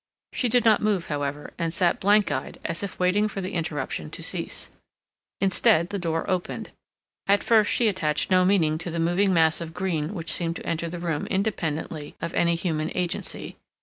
She did not move, however, and sat blank eyed as if waiting for the interruption to cease. Instead, the door opened. At first, she attached no meaning to the moving mass of green which seemed to enter the room independently of any human agency.